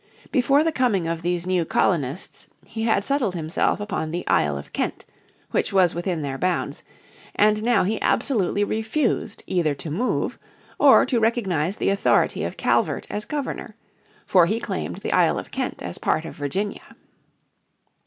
Before the coming of these new colonists he had settled himself upon the Isle of Kent, which was within their bounds, and now he absolutely refused either to move or to recognise the authority of Calvert as Governor; for he claimed the Isle of Kent as part of Virginia.